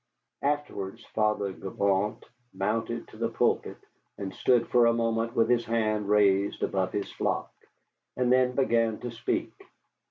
Afterwards Father Gibault mounted to the pulpit and stood for a moment with his hand raised above his flock, and then began to speak.